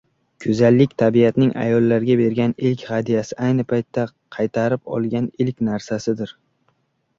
• Go‘zallik tabiatning ayollarga bergan ilk hadyasi, ayni paytda qaytarib olgan ilk narsasidir.